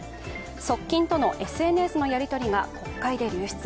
側近とのＳＮＳのやり取りが国会で流出。